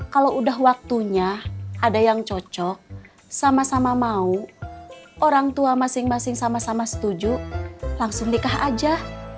kalau udah waktunya ada yang cocok sama sama mau orang tua masing masing sama sama setuju langsung nikah aja